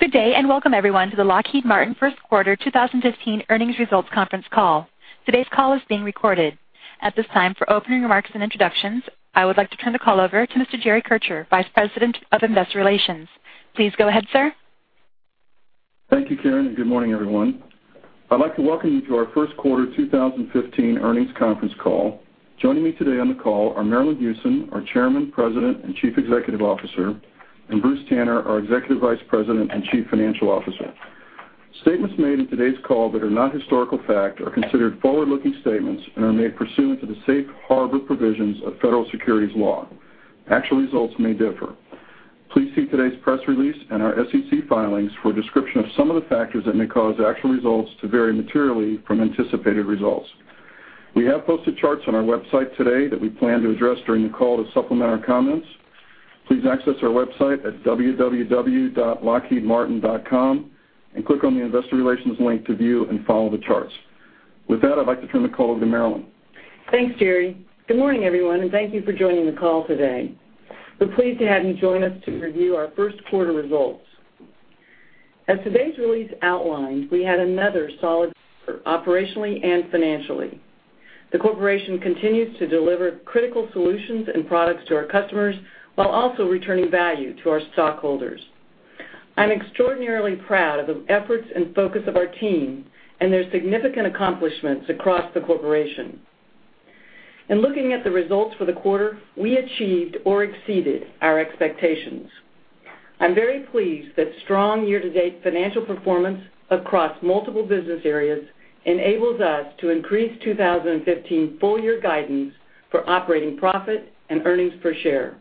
Good day, welcome, everyone, to the Lockheed Martin first quarter 2015 earnings results conference call. Today's call is being recorded. At this time, for opening remarks and introductions, I would like to turn the call over to Mr. Jerry Kircher, Vice President of Investor Relations. Please go ahead, sir. Thank you, Karen, and good morning, everyone. I'd like to welcome you to our first quarter 2015 earnings conference call. Joining me today on the call are Marillyn Hewson, our Chairman, President, and Chief Executive Officer, and Bruce Tanner, our Executive Vice President and Chief Financial Officer. Statements made in today's call that are not historical fact are considered forward-looking statements and are made pursuant to the safe harbor provisions of federal securities law. Actual results may differ. Please see today's press release and our SEC filings for a description of some of the factors that may cause actual results to vary materially from anticipated results. We have posted charts on our website today that we plan to address during the call to supplement our comments. Please access our website at www.lockheedmartin.com and click on the Investor Relations link to view and follow the charts. With that, I'd like to turn the call over to Marillyn. Thanks, Jerry. Good morning, everyone, and thank you for joining the call today. We're pleased to have you join us to review our first quarter results. As today's release outlined, we had another solid quarter operationally and financially. The corporation continues to deliver critical solutions and products to our customers while also returning value to our stockholders. I'm extraordinarily proud of the efforts and focus of our team and their significant accomplishments across the corporation. In looking at the results for the quarter, we achieved or exceeded our expectations. I'm very pleased that strong year-to-date financial performance across multiple business areas enables us to increase 2015 full-year guidance for operating profit and earnings per share.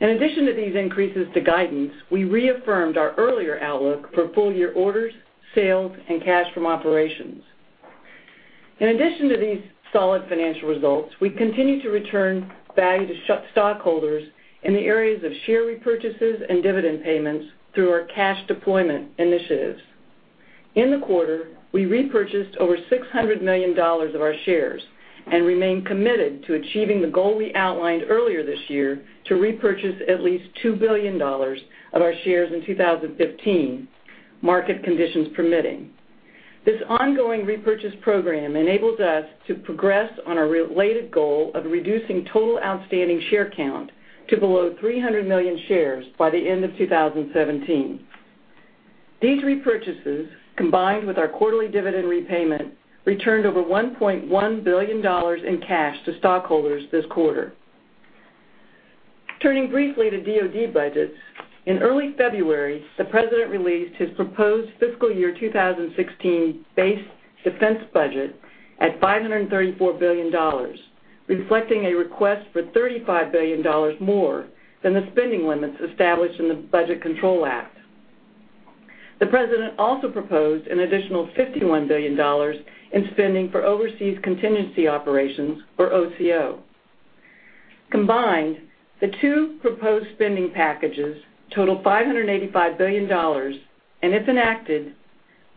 In addition to these increases to guidance, we reaffirmed our earlier outlook for full-year orders, sales, and cash from operations. In addition to these solid financial results, we continue to return value to stockholders in the areas of share repurchases and dividend payments through our cash deployment initiatives. In the quarter, we repurchased over $600 million of our shares and remain committed to achieving the goal we outlined earlier this year to repurchase at least $2 billion of our shares in 2015, market conditions permitting. This ongoing repurchase program enables us to progress on our related goal of reducing total outstanding share count to below 300 million shares by the end of 2017. These repurchases, combined with our quarterly dividend repayment, returned over $1.1 billion in cash to stockholders this quarter. Turning briefly to DoD budgets, in early February, the President released his proposed fiscal year 2016 base defense budget at $534 billion, reflecting a request for $35 billion more than the spending limits established in the Budget Control Act. The President also proposed an additional $51 billion in spending for overseas contingency operations, or OCO. Combined, the two proposed spending packages total $585 billion and, if enacted,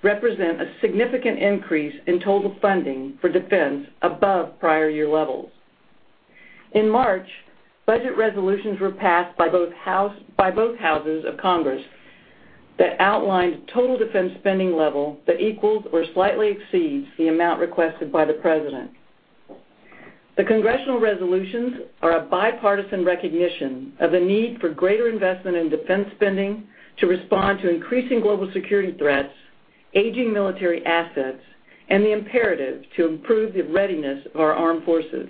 represent a significant increase in total funding for defense above prior year levels. In March, budget resolutions were passed by both houses of Congress that outlined total defense spending level that equals or slightly exceeds the amount requested by the President. The congressional resolutions are a bipartisan recognition of the need for greater investment in defense spending to respond to increasing global security threats, aging military assets, and the imperative to improve the readiness of our armed forces.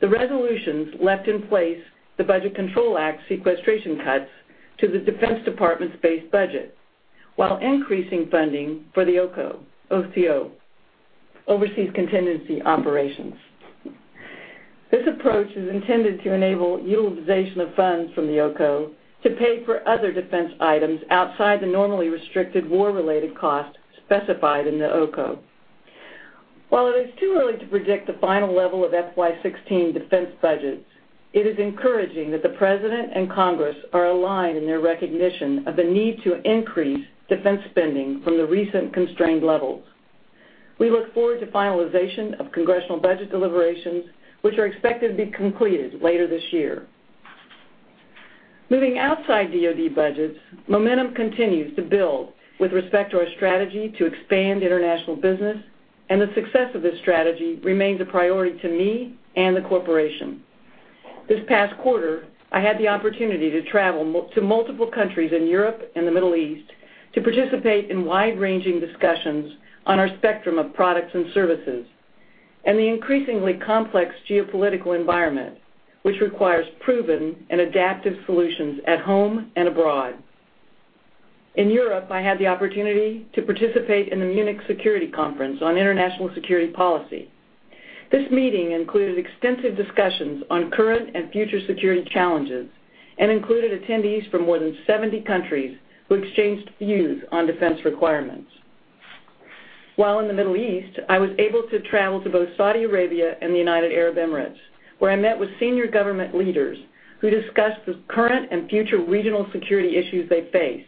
The resolutions left in place the Budget Control Act sequestration cuts to the Defense Department's base budget while increasing funding for the OCO, overseas contingency operations. This approach is intended to enable utilization of funds from the OCO to pay for other defense items outside the normally restricted war-related costs specified in the OCO. While it is too early to predict the final level of FY 2016 defense budgets, it is encouraging that the President and Congress are aligned in their recognition of the need to increase defense spending from the recent constrained levels. We look forward to finalization of congressional budget deliberations, which are expected to be completed later this year. Moving outside DoD budgets, momentum continues to build with respect to our strategy to expand international business, and the success of this strategy remains a priority to me and the corporation. This past quarter, I had the opportunity to travel to multiple countries in Europe and the Middle East to participate in wide-ranging discussions on our spectrum of products and services and the increasingly complex geopolitical environment, which requires proven and adaptive solutions at home and abroad. In Europe, I had the opportunity to participate in the Munich Security Conference on International Security Policy. This meeting included extensive discussions on current and future security challenges and included attendees from more than 70 countries who exchanged views on defense requirements. While in the Middle East, I was able to travel to both Saudi Arabia and the United Arab Emirates, where I met with senior government leaders who discussed the current and future regional security issues they face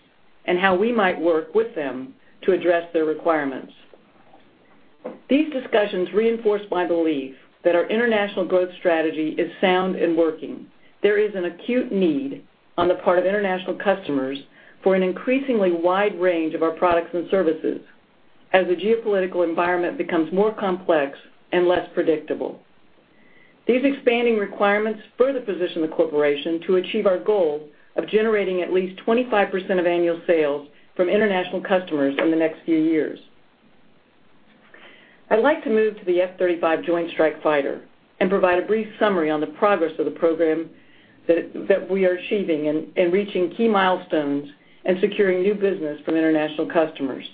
and how we might work with them to address their requirements. These discussions reinforce my belief that our international growth strategy is sound and working. There is an acute need on the part of international customers for an increasingly wide range of our products and services as the geopolitical environment becomes more complex and less predictable. These expanding requirements further position the corporation to achieve our goal of generating at least 25% of annual sales from international customers in the next few years. I'd like to move to the F-35 Joint Strike Fighter and provide a brief summary on the progress of the program that we are achieving in reaching key milestones and securing new business from international customers.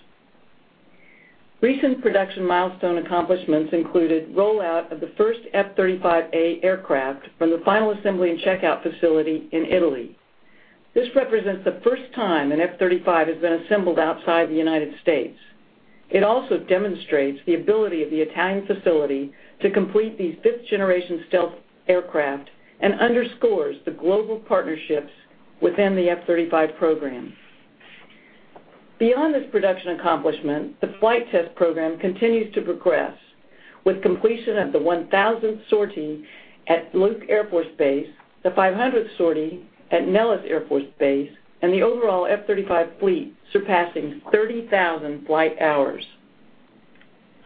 Recent production milestone accomplishments included rollout of the first F-35A aircraft from the final assembly and checkout facility in Italy. This represents the first time an F-35 has been assembled outside the United States. It also demonstrates the ability of the Italian facility to complete these fifth-generation stealth aircraft and underscores the global partnerships within the F-35 program. Beyond this production accomplishment, the flight test program continues to progress, with completion of the 1,000th sortie at Luke Air Force Base, the 500th sortie at Nellis Air Force Base, and the overall F-35 fleet surpassing 30,000 flight hours.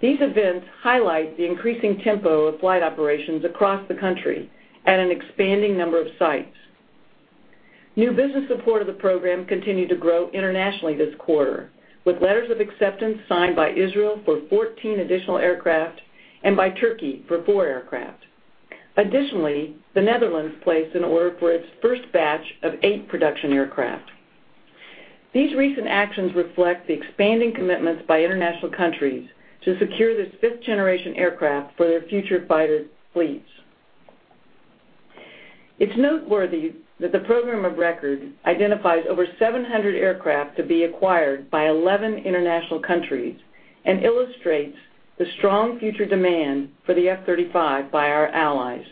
These events highlight the increasing tempo of flight operations across the country at an expanding number of sites. New business support of the program continued to grow internationally this quarter, with letters of acceptance signed by Israel for 14 additional aircraft and by Turkey for four aircraft. Additionally, the Netherlands placed an order for its first batch of eight production aircraft. These recent actions reflect the expanding commitments by international countries to secure this fifth-generation aircraft for their future fighter fleets. It's noteworthy that the program of record identifies over 700 aircraft to be acquired by 11 international countries and illustrates the strong future demand for the F-35 by our allies.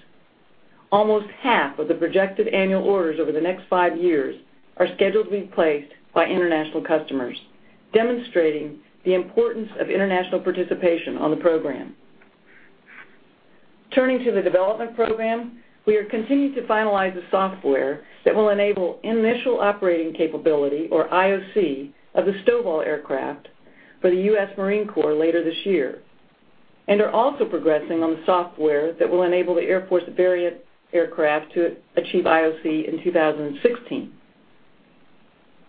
Almost half of the projected annual orders over the next five years are scheduled to be placed by international customers, demonstrating the importance of international participation on the program. Turning to the development program, we are continuing to finalize the software that will enable initial operating capability, or IOC, of the STOVL aircraft for the U.S. Marine Corps later this year, and are also progressing on the software that will enable the Air Force variant aircraft to achieve IOC in 2016.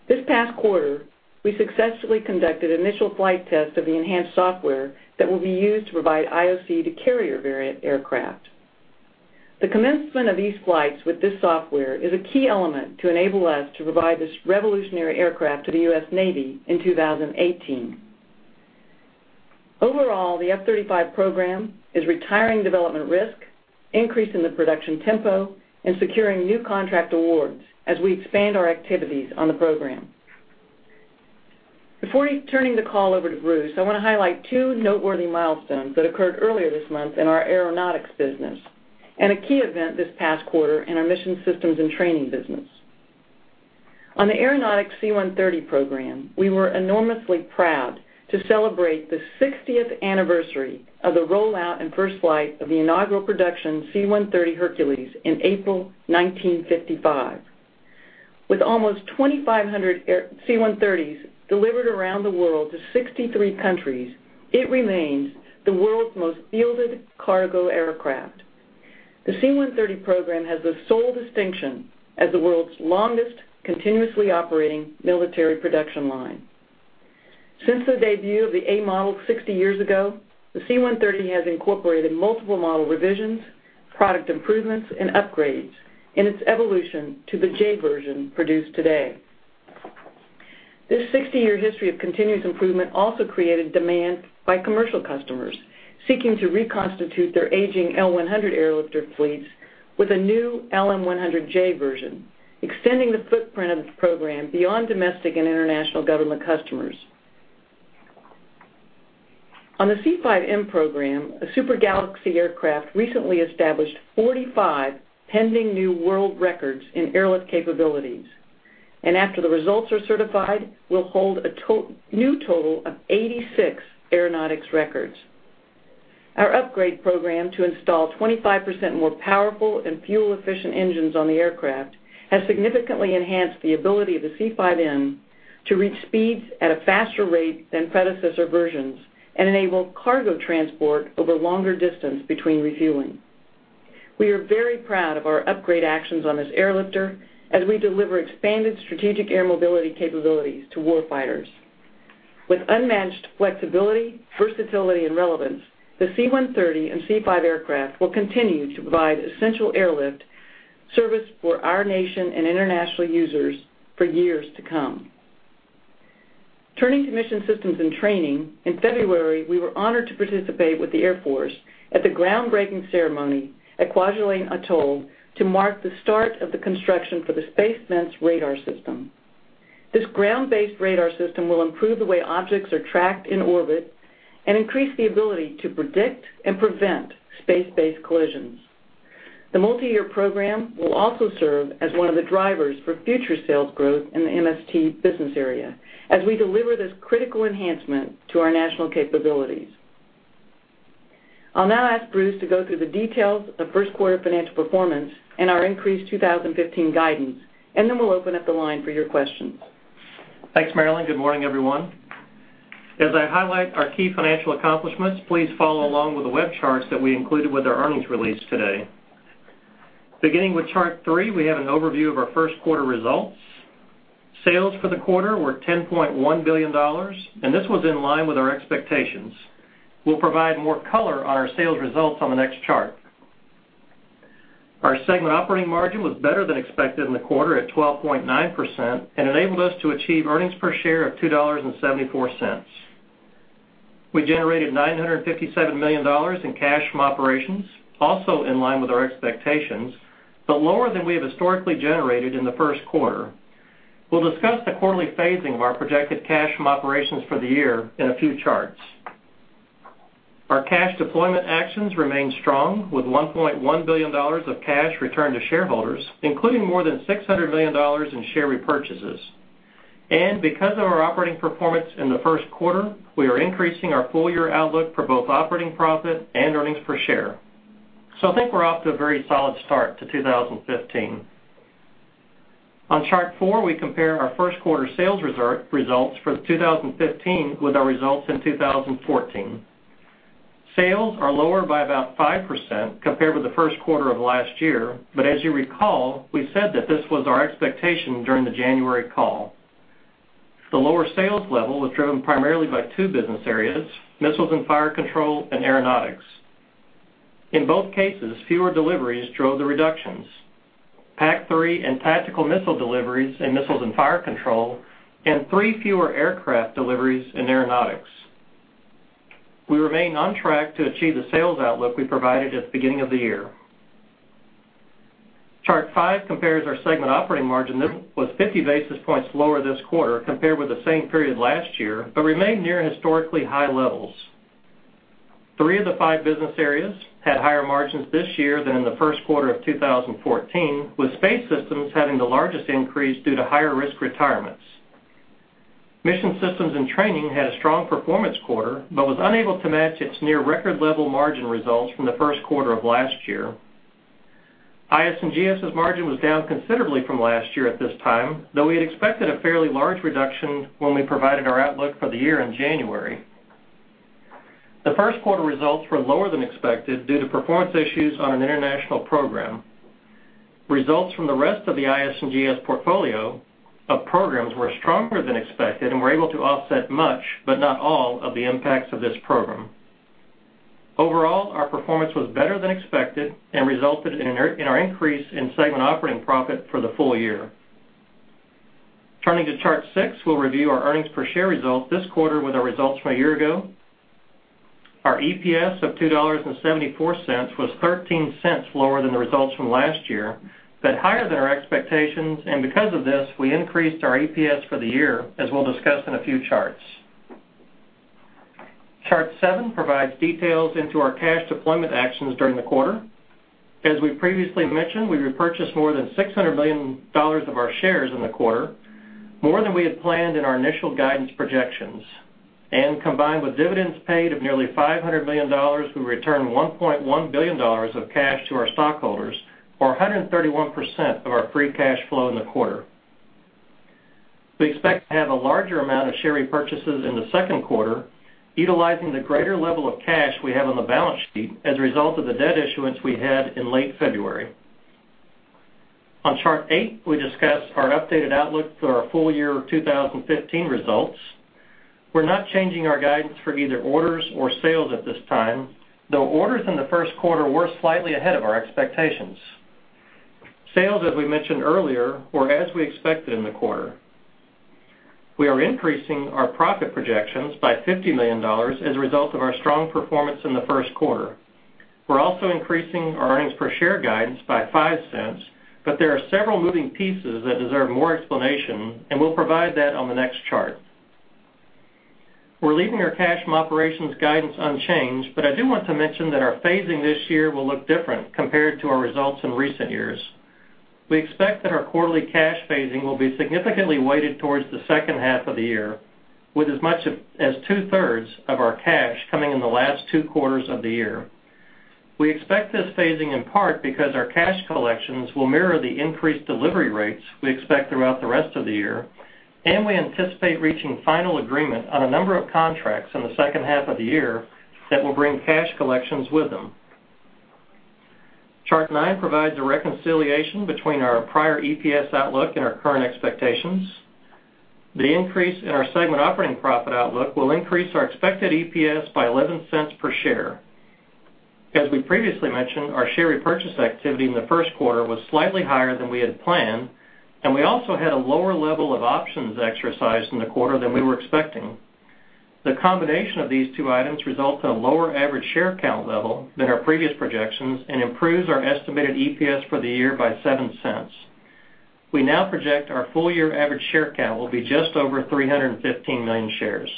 This past quarter, we successfully conducted initial flight tests of the enhanced software that will be used to provide IOC to carrier variant aircraft. The commencement of these flights with this software is a key element to enable us to provide this revolutionary aircraft to the U.S. Navy in 2018. Overall, the F-35 program is retiring development risk, increasing the production tempo, and securing new contract awards as we expand our activities on the program. Before turning the call over to Bruce, I want to highlight two noteworthy milestones that occurred earlier this month in our Aeronautics business and a key event this past quarter in our Mission Systems and Training business. On the Aeronautics C-130 program, we were enormously proud to celebrate the 60th anniversary of the rollout and first flight of the inaugural production C-130 Hercules in April 1955. With almost 2,500 C-130s delivered around the world to 63 countries, it remains the world's most fielded cargo aircraft. The C-130 program has the sole distinction as the world's longest continuously operating military production line. Since the debut of the A model 60 years ago, the C-130 has incorporated multiple model revisions, product improvements, and upgrades in its evolution to the J version produced today. This 60-year history of continuous improvement also created demand by commercial customers seeking to reconstitute their aging L-100 airlifter fleets with a new LM-100J version, extending the footprint of the program beyond domestic and international government customers. On the C-5M program, a Super Galaxy aircraft recently established 45 pending new world records in airlift capabilities, and after the results are certified, will hold a new total of 86 aeronautics records. Our upgrade program to install 25% more powerful and fuel-efficient engines on the aircraft has significantly enhanced the ability of the C-5M to reach speeds at a faster rate than predecessor versions and enable cargo transport over longer distance between refueling. We are very proud of our upgrade actions on this airlifter as we deliver expanded strategic air mobility capabilities to war fighters. With unmatched flexibility, versatility, and relevance, the C-130 and C-5 aircraft will continue to provide essential airlift service for our nation and international users for years to come. Turning to Mission Systems and Training, in February, we were honored to participate with the Air Force at the groundbreaking ceremony at Kwajalein Atoll to mark the start of the construction for the Space Fence radar system. This ground-based radar system will improve the way objects are tracked in orbit and increase the ability to predict and prevent space-based collisions. The multiyear program will also serve as one of the drivers for future sales growth in the MST business area as we deliver this critical enhancement to our national capabilities. I'll now ask Bruce to go through the details of first quarter financial performance and our increased 2015 guidance, then we'll open up the line for your questions. Thanks, Marillyn. Good morning, everyone. As I highlight our key financial accomplishments, please follow along with the web charts that we included with our earnings release today. Beginning with Chart 3, we have an overview of our first quarter results. Sales for the quarter were $10.1 billion, and this was in line with our expectations. We'll provide more color on our sales results on the next chart. Our segment operating margin was better than expected in the quarter at 12.9% and enabled us to achieve earnings per share of $2.74. We generated $957 million in cash from operations, also in line with our expectations, but lower than we have historically generated in the first quarter. We'll discuss the quarterly phasing of our projected cash from operations for the year in a few charts. Our cash deployment actions remain strong with $1.1 billion of cash returned to shareholders, including more than $600 million in share repurchases. Because of our operating performance in the first quarter, we are increasing our full-year outlook for both operating profit and earnings per share. I think we're off to a very solid start to 2015. On Chart 4, we compare our first quarter sales results for 2015 with our results in 2014. Sales are lower by about 5% compared with the first quarter of last year, but as you recall, we said that this was our expectation during the January call. The lower sales level was driven primarily by two business areas, Missiles and Fire Control, and Aeronautics. In both cases, fewer deliveries drove the reductions. PAC-3 and tactical missile deliveries in Missiles and Fire Control, and three fewer aircraft deliveries in Aeronautics. We remain on track to achieve the sales outlook we provided at the beginning of the year. Chart 5 compares our segment operating margin that was 50 basis points lower this quarter compared with the same period last year, but remained near historically high levels. Three of the five business areas had higher margins this year than in the first quarter of 2014, with Space Systems having the largest increase due to higher risk retirements. Mission Systems and Training had a strong performance quarter, but was unable to match its near record level margin results from the first quarter of last year. IS&GS' margin was down considerably from last year at this time, though we had expected a fairly large reduction when we provided our outlook for the year in January. The first quarter results were lower than expected due to performance issues on an international program. Results from the rest of the IS&GS portfolio of programs were stronger than expected and were able to offset much, but not all, of the impacts of this program. Overall, our performance was better than expected and resulted in our increase in segment operating profit for the full year. Turning to Chart 6, we'll review our earnings per share results this quarter with our results from a year ago. Our EPS of $2.74 was $0.13 lower than the results from last year, but higher than our expectations. Because of this, we increased our EPS for the year, as we'll discuss in a few charts. Chart 7 provides details into our cash deployment actions during the quarter. As we previously mentioned, we repurchased more than $600 million of our shares in the quarter, more than we had planned in our initial guidance projections. Combined with dividends paid of nearly $500 million, we returned $1.1 billion of cash to our stockholders or 131% of our free cash flow in the quarter. We expect to have a larger amount of share repurchases in the second quarter, utilizing the greater level of cash we have on the balance sheet as a result of the debt issuance we had in late February. On Chart 8, we discuss our updated outlook for our full-year 2015 results. We're not changing our guidance for either orders or sales at this time, though orders in the first quarter were slightly ahead of our expectations. Sales, as we mentioned earlier, were as we expected in the quarter. We are increasing our profit projections by $50 million as a result of our strong performance in the first quarter. We're also increasing our earnings per share guidance by $0.05, but there are several moving pieces that deserve more explanation, and we'll provide that on the next chart. We're leaving our cash from operations guidance unchanged, but I do want to mention that our phasing this year will look different compared to our results in recent years. We expect that our quarterly cash phasing will be significantly weighted towards the second half of the year, with as much as two-thirds of our cash coming in the last two quarters of the year. We expect this phasing in part because our cash collections will mirror the increased delivery rates we expect throughout the rest of the year, and we anticipate reaching final agreement on a number of contracts in the second half of the year that will bring cash collections with them. Chart 9 provides a reconciliation between our prior EPS outlook and our current expectations. The increase in our segment operating profit outlook will increase our expected EPS by $0.11 per share. As we previously mentioned, our share repurchase activity in the first quarter was slightly higher than we had planned, and we also had a lower level of options exercised in the quarter than we were expecting. The combination of these two items results in a lower average share count level than our previous projections and improves our estimated EPS for the year by $0.07. We now project our full-year average share count will be just over 315 million shares.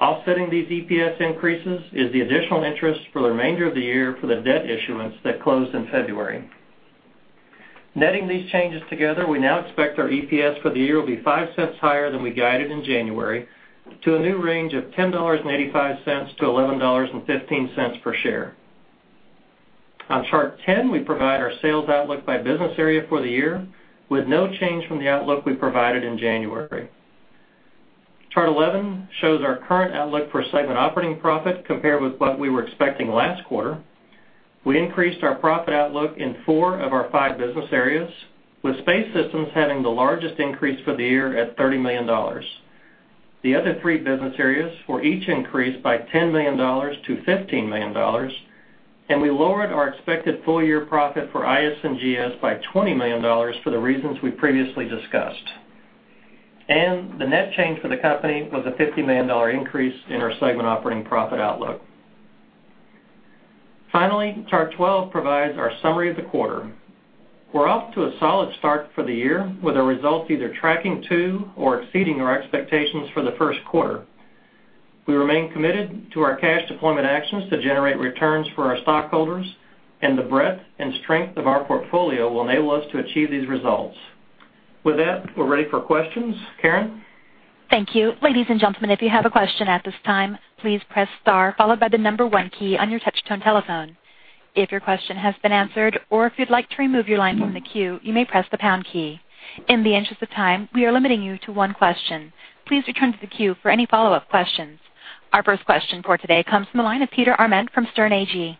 Offsetting these EPS increases is the additional interest for the remainder of the year for the debt issuance that closed in February. Netting these changes together, we now expect our EPS for the year will be $0.05 higher than we guided in January to a new range of $10.85-$11.15 per share. On Chart 10, we provide our sales outlook by business area for the year, with no change from the outlook we provided in January. Chart 11 shows our current outlook for segment operating profit compared with what we were expecting last quarter. We increased our profit outlook in four of our five business areas, with Space Systems having the largest increase for the year at $30 million. The other three business areas were each increased by $10 million-$15 million, and we lowered our expected full-year profit for IS&GS by $20 million for the reasons we previously discussed. The net change for the company was a $50 million increase in our segment operating profit outlook. Finally, Chart 12 provides our summary of the quarter. We're off to a solid start for the year with our results either tracking to or exceeding our expectations for the first quarter. We remain committed to our cash deployment actions to generate returns for our stockholders, and the breadth and strength of our portfolio will enable us to achieve these results. With that, we're ready for questions. Karen? Thank you. Ladies and gentlemen, if you have a question at this time, please press star followed by the number 1 key on your touch-tone telephone. If your question has been answered or if you'd like to remove your line from the queue, you may press the pound key. In the interest of time, we are limiting you to one question. Please return to the queue for any follow-up questions. Our first question for today comes from the line of Peter Arment from Sterne Agee.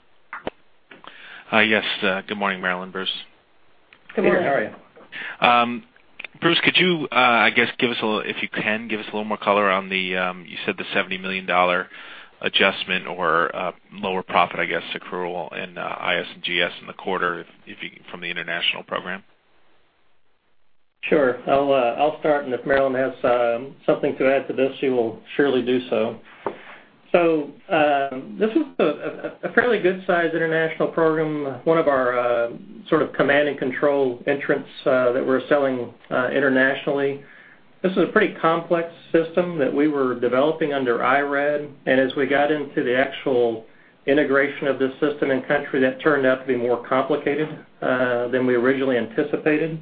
Hi, yes. Good morning, Marillyn, Bruce. Good morning. Peter, how are you? Bruce, could you, I guess, if you can, give us a little more color on the, you said the $70 million adjustment or lower profit, I guess, accrual in IS&GS in the quarter from the international program? Sure. I'll start, and if Marillyn has something to add to this, she will surely do so. This is a fairly good-sized international program, one of our sort of command and control entrants that we're selling internationally. This is a pretty complex system that we were developing under IRAD, and as we got into the actual integration of this system in-country, that turned out to be more complicated than we originally anticipated.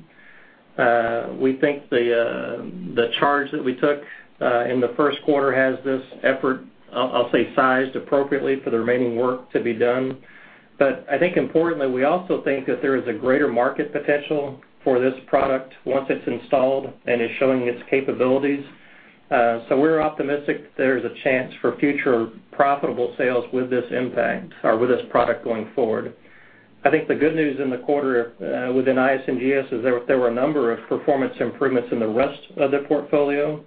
We think the charge that we took in the first quarter has this effort, I'll say, sized appropriately for the remaining work to be done. I think importantly, we also think that there is a greater market potential for this product once it's installed and is showing its capabilities. We're optimistic there's a chance for future profitable sales with this impact or with this product going forward. I think the good news in the quarter within IS&GS is there were a number of performance improvements in the rest of their portfolio.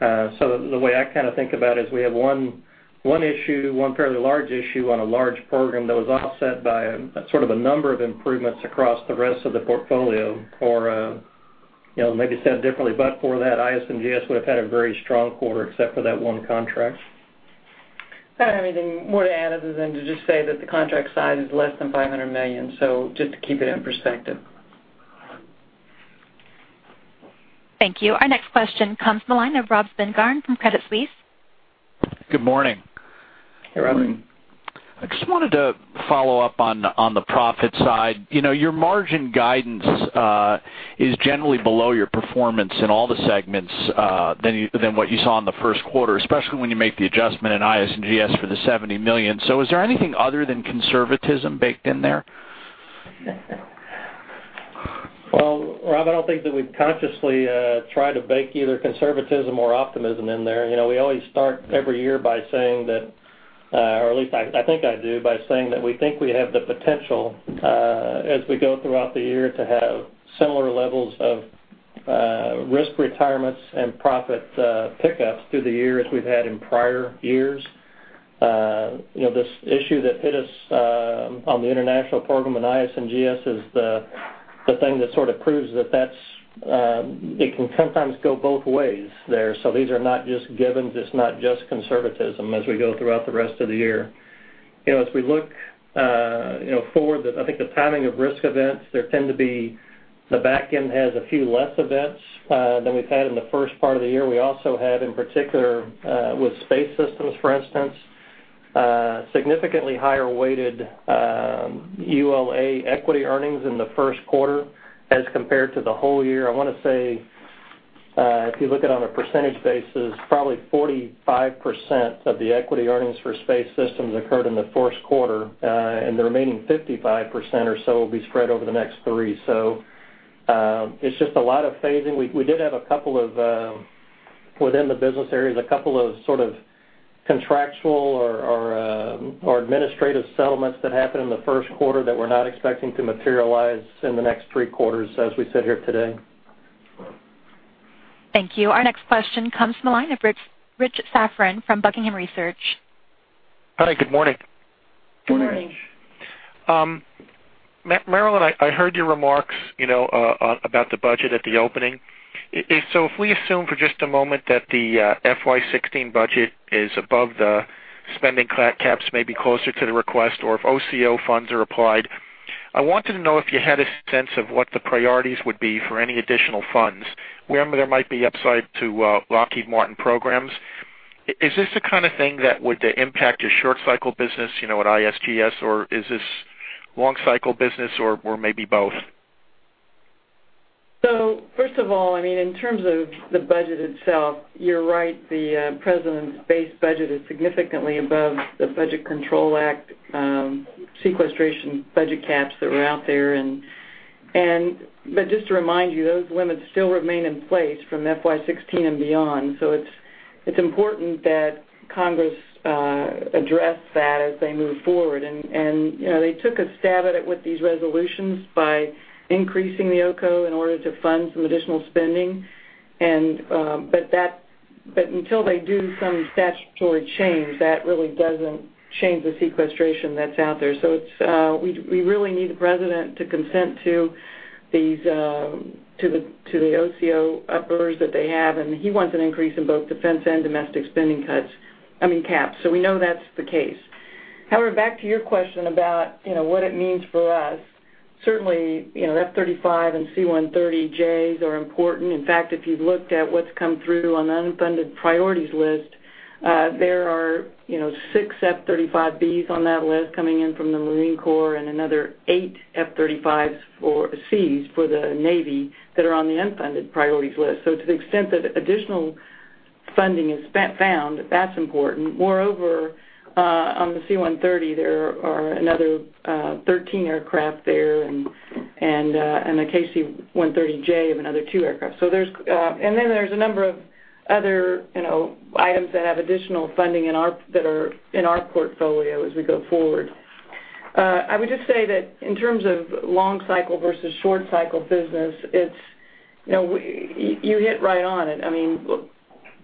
The way I kind of think about it is we have one issue, one fairly large issue on a large program that was offset by sort of a number of improvements across the rest of the portfolio. Maybe said differently, but for that, IS&GS would have had a very strong quarter except for that one contract. I don't have anything more to add other than to just say that the contract size is less than $500 million, so just to keep it in perspective. Thank you. Our next question comes from the line of Robert Spingarn from Credit Suisse. Good morning. Hey, Rob. Morning. I just wanted to follow up on the profit side. Your margin guidance is generally below your performance in all the segments than what you saw in the first quarter, especially when you make the adjustment in IS&GS for the $70 million. Is there anything other than conservatism baked in there? Well, Rob, I don't think that we've consciously tried to bake either conservatism or optimism in there. We always start every year by saying that, or at least I think I do, by saying that we think we have the potential as we go throughout the year to have similar levels of risk retirements and profit pickups through the year as we've had in prior years. This issue that hit us on the international program in IS&GS is the thing that sort of proves that it can sometimes go both ways there. These are not just givens. It's not just conservatism as we go throughout the rest of the year. As we look forward, I think the timing of risk events, there tend to be the back end has a few less events than we've had in the first part of the year. We also had, in particular with Space Systems, for instance, significantly higher weighted ULA equity earnings in the first quarter as compared to the whole year. I want to say, if you look at it on a percentage basis, probably 45% of the equity earnings for Space Systems occurred in the first quarter, and the remaining 55% or so will be spread over the next three. It's just a lot of phasing. We did have, within the business areas, a couple of sort of contractual or administrative settlements that happened in the first quarter that we're not expecting to materialize in the next three quarters as we sit here today. Thank you. Our next question comes from the line of Rich Safran from Buckingham Research. Hi, good morning. Good morning. Good morning. Marillyn, I heard your remarks about the budget at the opening. If we assume for just a moment that the FY 2016 budget is above the spending caps may be closer to the request or if OCO funds are applied. I wanted to know if you had a sense of what the priorities would be for any additional funds, where there might be upside to Lockheed Martin programs. Is this the kind of thing that would impact your short cycle business, at ISGS, or is this long cycle business or maybe both? First of all, in terms of the budget itself, you're right, the president's base budget is significantly above the Budget Control Act, sequestration budget caps that were out there. Just to remind you, those limits still remain in place from FY 2016 and beyond. It's important that Congress address that as they move forward. They took a stab at it with these resolutions by increasing the OCO in order to fund some additional spending. Until they do some statutory change, that really doesn't change the sequestration that's out there. We really need the president to consent to the OCO upwards that they have, he wants an increase in both defense and domestic spending cuts, I mean, caps. We know that's the case. However, back to your question about what it means for us. Certainly, F-35 and C-130Js are important. In fact, if you've looked at what's come through on the unfunded priorities list, there are 6 F-35Bs on that list coming in from the Marine Corps and another 8 F-35Cs for the Navy that are on the unfunded priorities list. To the extent that additional funding is found, that's important. Moreover, on the C-130, there are another 13 aircraft there and a KC-130J of another 2 aircraft. There's a number of other items that have additional funding that are in our portfolio as we go forward. I would just say that in terms of long cycle versus short cycle business, you hit right on it.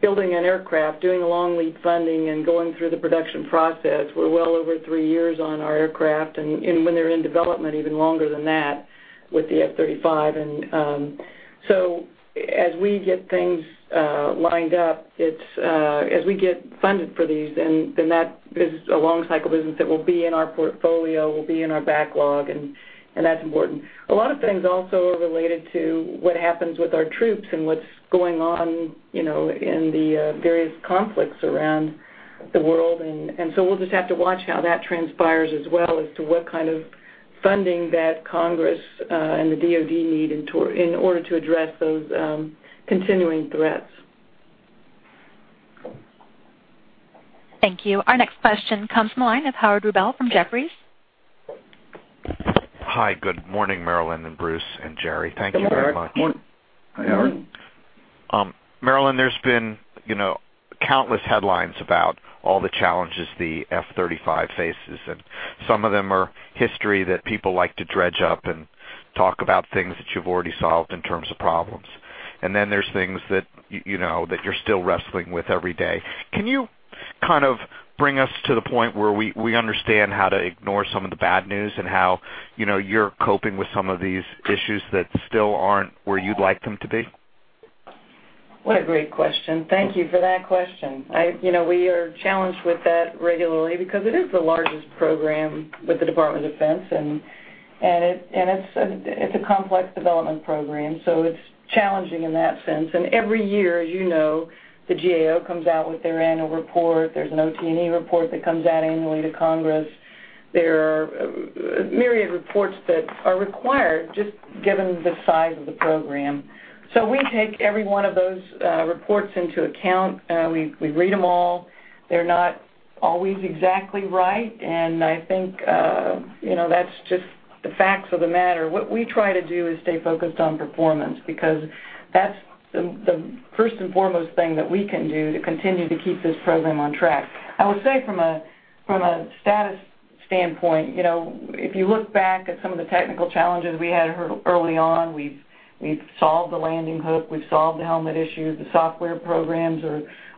Building an aircraft, doing long lead funding, and going through the production process, we're well over three years on our aircraft and when they're in development, even longer than that with the F-35. As we get things lined up, as we get funded for these, that is a long cycle business that will be in our portfolio, will be in our backlog, that's important. A lot of things also are related to what happens with our troops and what's going on in the various conflicts around the world, we'll just have to watch how that transpires as well as to what kind of funding that Congress and the DoD need in order to address those continuing threats. Thank you. Our next question comes from the line of Howard Rubel from Jefferies. Hi, good morning, Marillyn and Bruce and Jerry. Thank you very much. Good morning, Howard. Marillyn, there's been countless headlines about all the challenges the F-35 faces. Some of them are history that people like to dredge up and talk about things that you've already solved in terms of problems. Then there's things that you're still wrestling with every day. Can you kind of bring us to the point where we understand how to ignore some of the bad news and how you're coping with some of these issues that still aren't where you'd like them to be? What a great question. Thank you for that question. We are challenged with that regularly because it is the largest program with the Department of Defense, and it's a complex development program, so it's challenging in that sense. Every year, as you know, the GAO comes out with their annual report. There's an OT&E report that comes out annually to Congress. There are a myriad reports that are required just given the size of the program. We take every one of those reports into account. We read them all. They're not always exactly right, and I think that's just the facts of the matter. What we try to do is stay focused on performance because that's the first and foremost thing that we can do to continue to keep this program on track. I would say from a status standpoint, if you look back at some of the technical challenges we had early on, we've solved the landing hook, we've solved the helmet issue, the software programs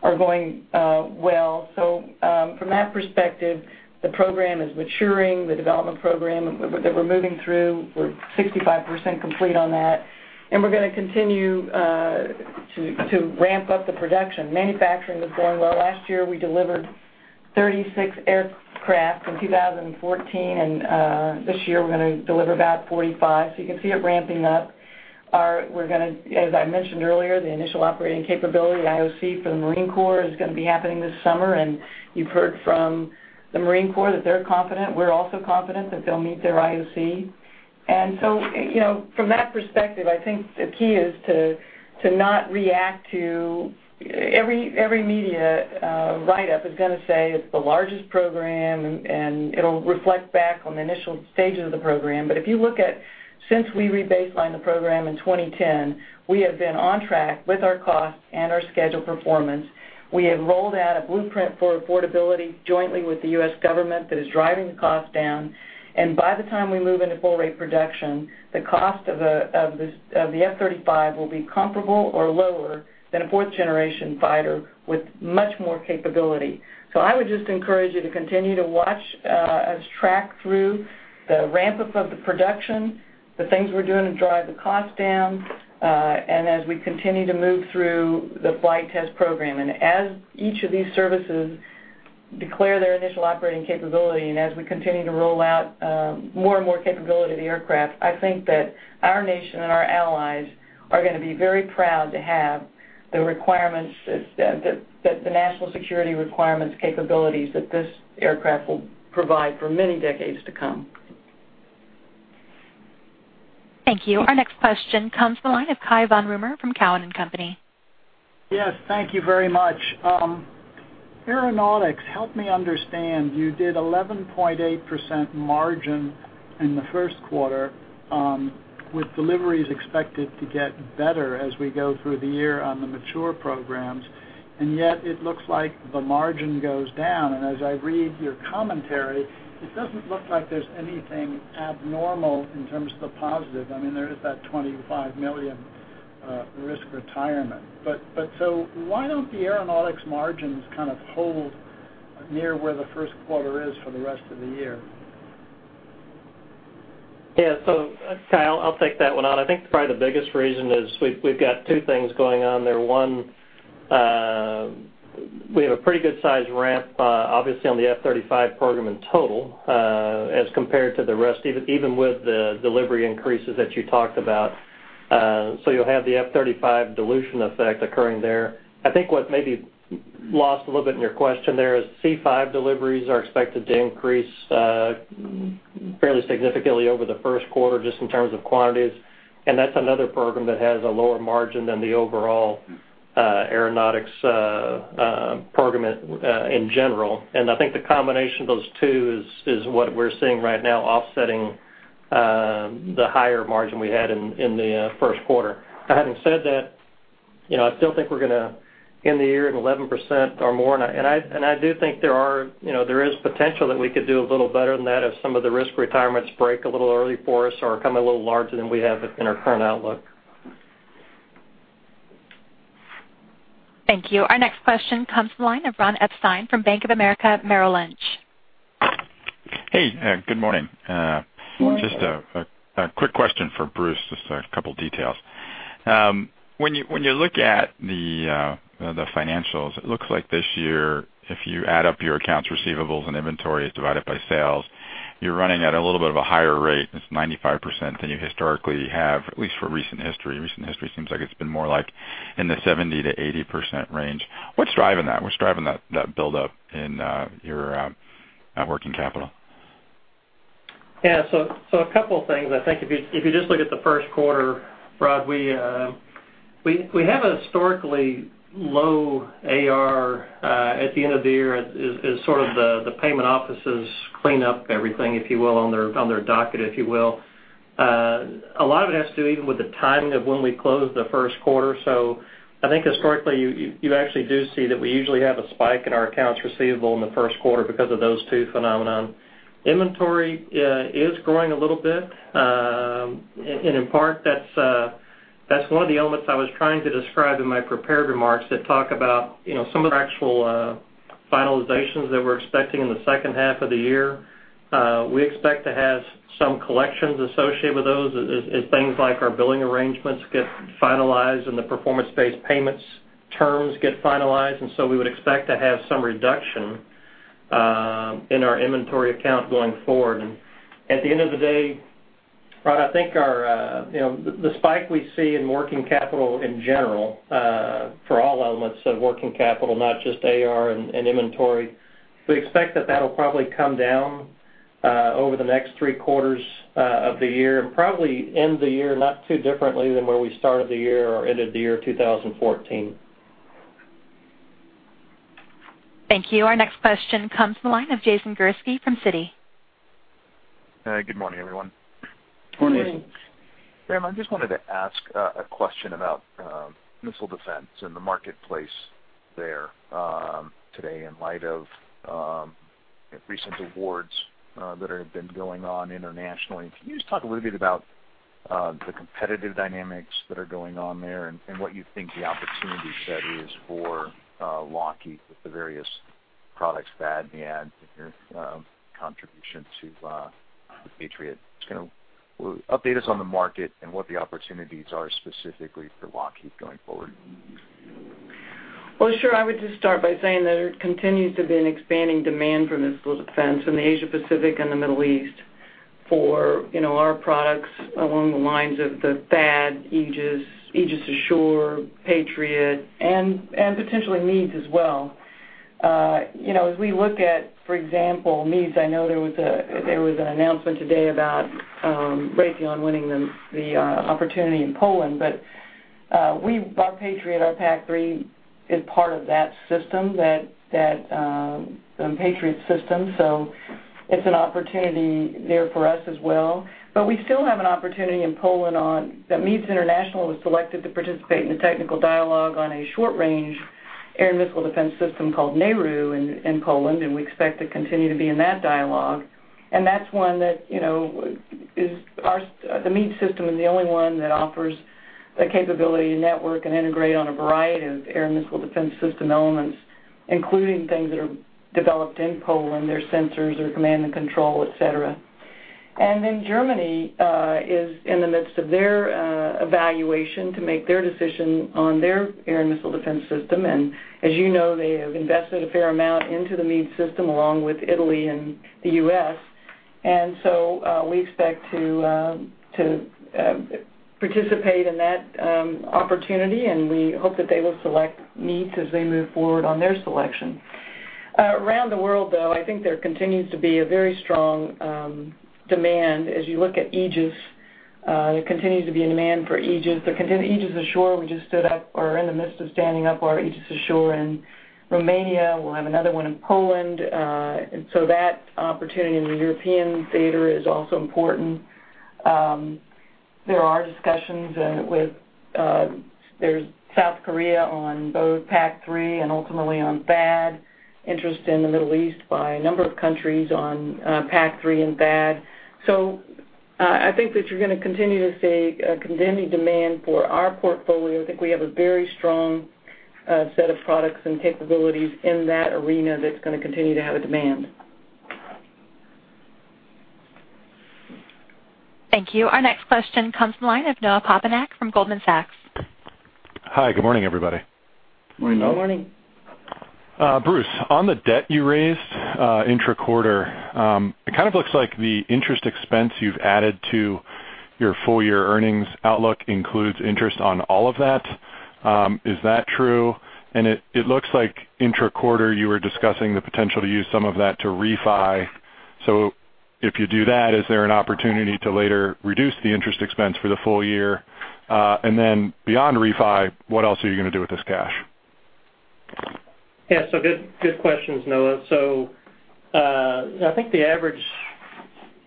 are going well. From that perspective, the program is maturing, the development program that we're moving through, we're 65% complete on that. We're going to continue to ramp up the production. Manufacturing was going well. Last year, we delivered 36 aircraft in 2014, and this year we're going to deliver about 45. You can see it ramping up. As I mentioned earlier, the initial operating capability, the IOC for the Marine Corps is going to be happening this summer, and you've heard from the Marine Corps that they're confident. We're also confident that they'll meet their IOC. From that perspective, I think the key is to not react to every media write-up is going to say it's the largest program, and it'll reflect back on the initial stages of the program. If you look at since we re-baselined the program in 2010, we have been on track with our cost and our schedule performance. We have rolled out a blueprint for affordability jointly with the U.S. government that is driving the cost down, and by the time we move into full rate production, the cost of the F-35 will be comparable or lower than a fourth-generation fighter with much more capability. I would just encourage you to continue to watch as track through the ramp-up of the production, the things we're doing to drive the cost down, and as we continue to move through the flight test program. As each of these services declare their initial operating capability. As we continue to roll out more and more capability of the aircraft, I think that our nation and our allies are going to be very proud to have the national security requirements capabilities that this aircraft will provide for many decades to come. Thank you. Our next question comes from the line of Cai von Rumohr from Cowen and Company. Yes, thank you very much. Aeronautics, help me understand. You did 11.8% margin in the first quarter with deliveries expected to get better as we go through the year on the mature programs, and yet it looks like the margin goes down. As I read your commentary, it doesn't look like there's anything abnormal in terms of the positive. There is that $25 million risk retirement. Why don't the aeronautics margins kind of hold near where the first quarter is for the rest of the year? Yeah. Cai, I'll take that one on. I think probably the biggest reason is we've got two things going on there. One, we have a pretty good size ramp, obviously, on the F-35 program in total, as compared to the rest, even with the delivery increases that you talked about. You'll have the F-35 dilution effect occurring there. I think what may be lost a little bit in your question there is C-5 deliveries are expected to increase fairly significantly over the first quarter, just in terms of quantities. That's another program that has a lower margin than the overall Aeronautics program in general. I think the combination of those two is what we're seeing right now offsetting the higher margin we had in the first quarter. Having said that, I still think we're going to end the year at 11% or more. I do think there is potential that we could do a little better than that if some of the risk retirements break a little early for us or come a little larger than we have in our current outlook. Thank you. Our next question comes from the line of Ronald Epstein from Bank of America Merrill Lynch. Hey, good morning. Morning. Just a quick question for Bruce, just a couple of details. When you look at the financials, it looks like this year, if you add up your accounts receivable and inventories divided by sales, you're running at a little bit of a higher rate. It's 95% than you historically have, at least for recent history. Recent history seems like it's been more like in the 70%-80% range. What's driving that? What's driving that buildup in your working capital? Yeah. A couple things. I think if you just look at the first quarter, Ron, we have a historically low AR at the end of the year as sort of the payment offices clean up everything, if you will, on their docket, if you will. A lot of it has to do even with the timing of when we close the first quarter. I think historically, you actually do see that we usually have a spike in our accounts receivable in the first quarter because of those two phenomenon. Inventory is growing a little bit, and in part, that's one of the elements I was trying to describe in my prepared remarks that talk about some of the actual finalizations that we're expecting in the second half of the year. We expect to have some collections associated with those as things like our billing arrangements get finalized and the performance-based payments terms get finalized, we would expect to have some reduction in our inventory account going forward. At the end of the day, Rod, I think the spike we see in working capital in general, for all elements of working capital, not just AR and inventory, we expect that that'll probably come down over the next three quarters of the year and probably end the year not too differently than where we started the year or ended the year 2014. Thank you. Our next question comes from the line of Jason Gursky from Citi. Good morning, everyone. Morning. Morning. Marillyn, I just wanted to ask a question about missile defense and the marketplace there today in light of recent awards that have been going on internationally. Can you just talk a little bit about the competitive dynamics that are going on there and what you think the opportunity set is for Lockheed with the various products, THAAD, MEADS, and your contribution to the Patriot? Just kind of update us on the market and what the opportunities are specifically for Lockheed going forward. Well, sure. I would just start by saying that there continues to be an expanding demand for missile defense in the Asia Pacific and the Middle East for our products along the lines of the THAAD, Aegis Ashore, Patriot, and potentially MEADS as well. As we look at, for example, MEADS, I know there was an announcement today about Raytheon winning the opportunity in Poland, but our Patriot, our PAC-3 is part of that system, that Patriot system. It's an opportunity there for us as well. We still have an opportunity in Poland that MEADS International was selected to participate in a technical dialogue on a short-range air missile defense system called NAREW in Poland, and we expect to continue to be in that dialogue. That's one that the MEADS system is the only one that offers the capability to network and integrate on a variety of air missile defense system elements, including things that are developed in Poland, their sensors, their command and control, et cetera. Germany is in the midst of their evaluation to make their decision on their air and missile defense system. As you know, they have invested a fair amount into the MEADS system, along with Italy and the U.S. We expect to participate in that opportunity, and we hope that they will select MEADS as they move forward on their selection. Around the world, though, I think there continues to be a very strong demand. As you look at Aegis, there continues to be a demand for Aegis. Aegis Ashore, we just stood up or are in the midst of standing up our Aegis Ashore in Romania. We'll have another one in Poland. That opportunity in the European theater is also important. There are discussions with South Korea on both PAC-3 and ultimately on THAAD, interest in the Middle East by a number of countries on PAC-3 and THAAD. I think that you're going to continue to see a continuing demand for our portfolio. I think we have a very strong set of products and capabilities in that arena that's going to continue to have a demand. Thank you. Our next question comes from the line of Noah Poponak from Goldman Sachs. Hi, good morning, everybody. Good morning, Noah. Good morning. Bruce, on the debt you raised intra-quarter, it kind of looks like the interest expense you've added to your full year earnings outlook includes interest on all of that. Is that true? It looks like intra-quarter, you were discussing the potential to use some of that to refi. If you do that, is there an opportunity to later reduce the interest expense for the full year? Beyond refi, what else are you going to do with this cash? Good questions, Noah. I think the average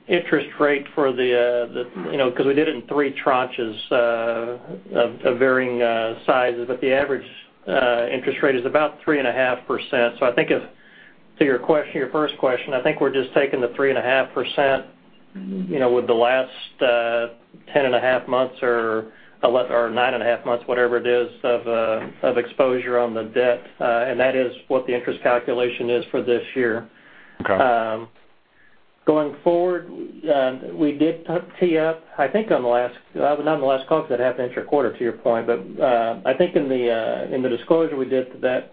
interest rate, because we did it in three tranches of varying sizes, but the average interest rate is about 3.5%. I think to your first question, I think we're just taking the 3.5% with the last 10 and a half months or nine and a half months, whatever it is, of exposure on the debt. That is what the interest calculation is for this year. Okay. Going forward, we did tee up, I think on the last, not on the last call, because that happened intra-quarter, to your point, but I think in the disclosure we did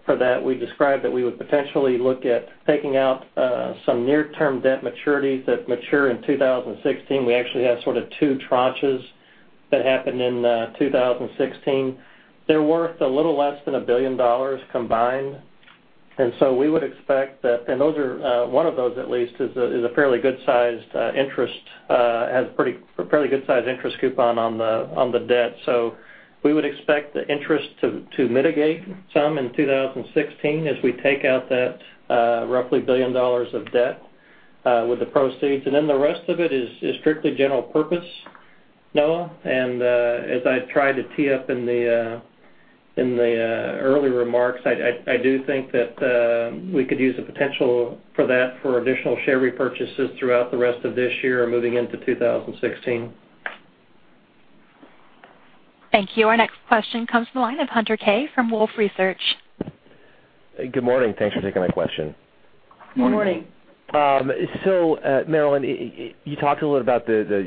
for that, we described that we would potentially look at taking out some near-term debt maturities that mature in 2016. We actually have sort of two tranches that happen in 2016. They're worth a little less than $1 billion combined. One of those at least has a fairly good-sized interest coupon on the debt. We would expect the interest to mitigate some in 2016 as we take out that roughly $1 billion of debt with the proceeds. The rest of it is strictly general purpose, Noah. As I tried to tee up in the early remarks, I do think that we could use the potential for that for additional share repurchases throughout the rest of this year or moving into 2016. Thank you. Our next question comes from the line of Hunter Keay from Wolfe Research. Good morning. Thanks for taking my question. Good morning. Good morning. Marillyn, you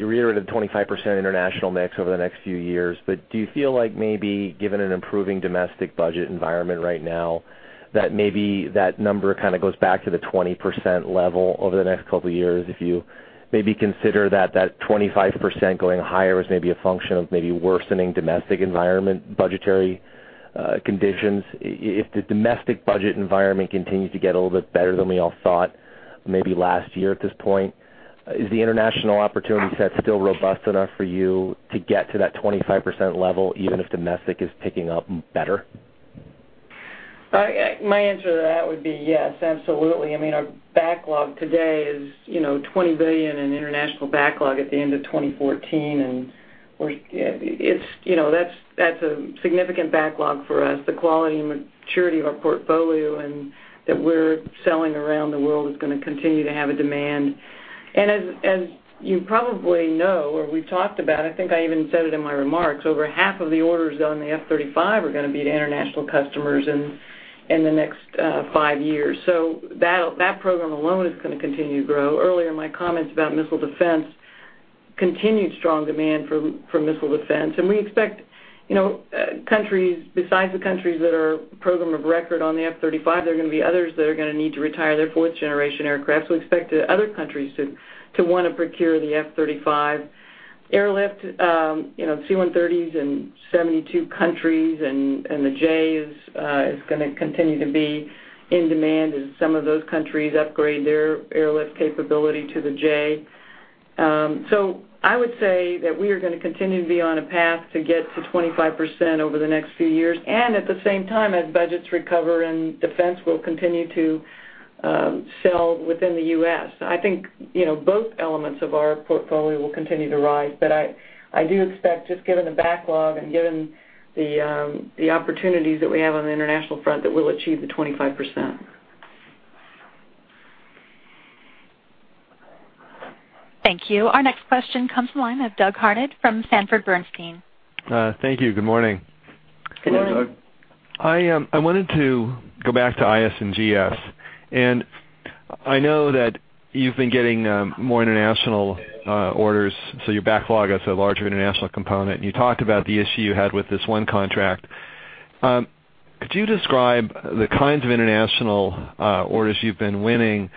reiterated the 25% international mix over the next few years, do you feel like maybe given an improving domestic budget environment right now, that maybe that number kind of goes back to the 20% level over the next couple of years? If you maybe consider that 25% going higher was maybe a function of maybe worsening domestic environment budgetary conditions. If the domestic budget environment continues to get a little bit better than we all thought, maybe last year at this point, is the international opportunity set still robust enough for you to get to that 25% level, even if domestic is picking up better? My answer to that would be yes, absolutely. I mean, our backlog today is $20 billion in international backlog at the end of 2014, that's a significant backlog for us. The quality and maturity of our portfolio that we're selling around the world is going to continue to have a demand. As you probably know, or we've talked about, I think I even said it in my remarks, over half of the orders on the F-35 are going to be to international customers in the next five years. That program alone is going to continue to grow. Earlier, my comments about missile defense, continued strong demand for missile defense. We expect besides the countries that are program of record on the F-35, there are going to be others that are going to need to retire their fourth-generation aircraft. We expect other countries to want to procure the F-35 airlift, C-130s in 72 countries and the J is going to continue to be in demand as some of those countries upgrade their airlift capability to the J. I would say that we are going to continue to be on a path to get to 25% over the next few years, and at the same time, as budgets recover and defense will continue to sell within the U.S. I think both elements of our portfolio will continue to rise, but I do expect, just given the backlog and given the opportunities that we have on the international front, that we'll achieve the 25%. Thank you. Our next question comes from the line of Doug Harned from Sanford C. Bernstein. Thank you. Good morning. Good morning. Good morning, Doug. I wanted to go back to IS&GS. I know that you've been getting more international orders, so your backlog has a larger international component, and you talked about the issue you had with this one contract. Could you describe the kinds of international orders you've been winning?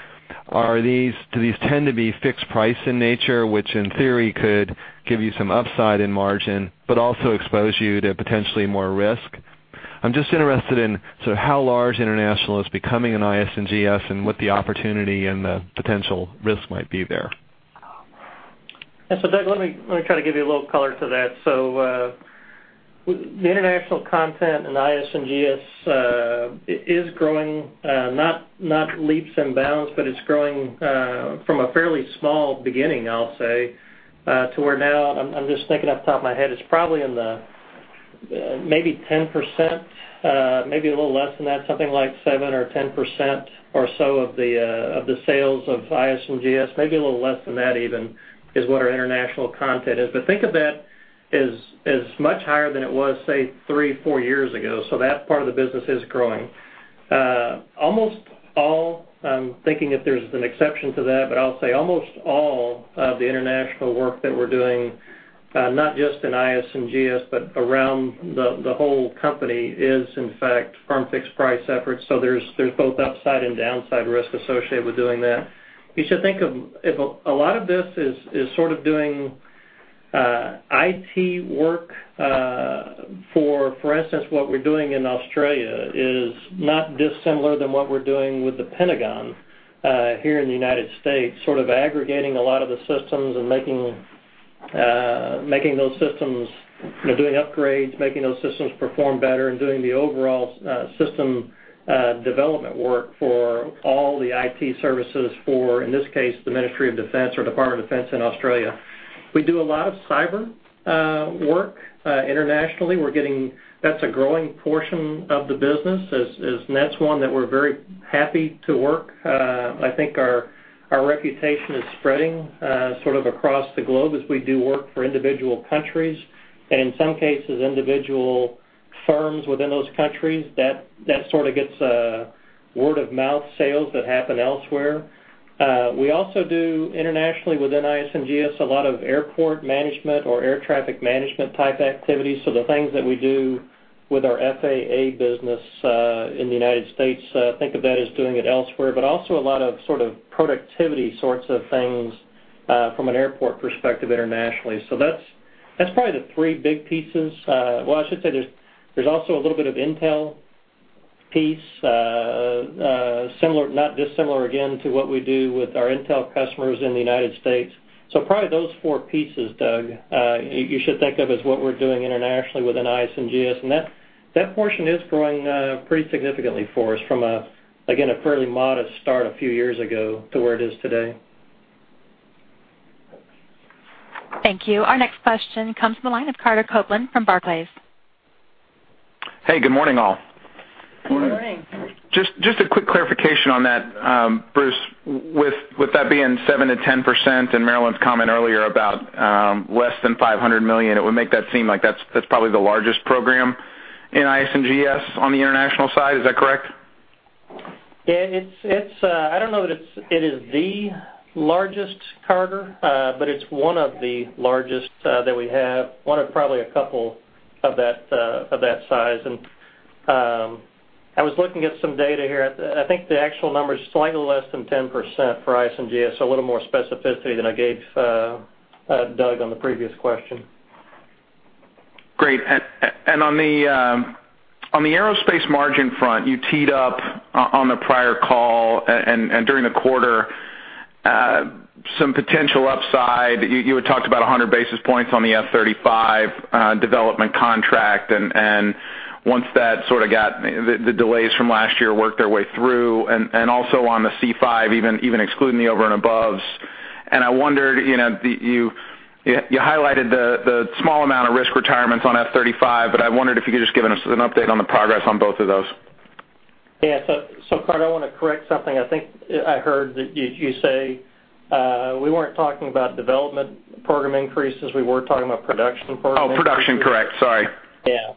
Do these tend to be fixed-price in nature, which in theory could give you some upside in margin, but also expose you to potentially more risk? I'm just interested in how large international is becoming in IS&GS and what the opportunity and the potential risk might be there. Yeah. Doug, let me try to give you a little color to that. The international content in IS&GS is growing, not leaps and bounds, but it's growing from a fairly small beginning, I'll say, to where now, I'm just thinking off the top of my head, it's probably in the maybe 10%, maybe a little less than that, something like 7% or 10% or so of the sales of IS&GS, maybe a little less than that even, is what our international content is. But think of that as much higher than it was, say, three, four years ago. That part of the business is growing. Almost all, I'm thinking if there's an exception to that, but I'll say almost all of the international work that we're doing, not just in IS&GS, but around the whole company, is in fact firm fixed price efforts. There's both upside and downside risk associated with doing that. You should think of a lot of this is sort of doing IT work. For instance, what we're doing in Australia is not dissimilar than what we're doing with the Pentagon here in the U.S., sort of aggregating a lot of the systems and doing upgrades, making those systems perform better, and doing the overall system development work for all the IT services for, in this case, the Ministry of Defence or Department of Defence in Australia. We do a lot of cyber work internationally. That's a growing portion of the business. And that's one that we're very happy to work. I think our reputation is spreading sort of across the globe as we do work for individual countries, and in some cases, individual firms within those countries. That sort of gets word-of-mouth sales that happen elsewhere. We also do internationally within IS&GS, a lot of airport management or air traffic management type activities. The things that we do with our FAA business in the U.S., think of that as doing it elsewhere, but also a lot of sort of productivity sorts of things from an airport perspective internationally. That's probably the three big pieces. Well, I should say, there's also a little bit of intel piece, not dissimilar, again, to what we do with our intel customers in the U.S. Probably those four pieces, Doug, you should think of as what we're doing internationally within IS&GS. And that portion is growing pretty significantly for us from, again, a fairly modest start a few years ago to where it is today. Thank you. Our next question comes from the line of Carter Copeland from Barclays. Hey, good morning, all. Good morning. Good morning. Just a quick clarification on that, Bruce, with that being 7%-10% and Marillyn's comment earlier about less than $500 million, it would make that seem like that's probably the largest program in IS&GS on the international side. Is that correct? Yeah. I don't know that it is the largest, Carter, but it's one of the largest that we have, one of probably a couple of that size. I was looking at some data here. I think the actual number is slightly less than 10% for IS&GS. A little more specificity than I gave Doug on the previous question. Great. On the aerospace margin front, you teed up on the prior call and during the quarter some potential upside. You had talked about 100 basis points on the F-35 development contract and once that sort of got the delays from last year work their way through and also on the C-5, even excluding the over and above. I wondered, you highlighted the small amount of risk retirements on F-35, but I wondered if you could just give us an update on the progress on both of those. Yeah. Carter, I want to correct something I think I heard that you say. We weren't talking about development program increases. We were talking about production program. Oh, production. Correct. Sorry. Yeah.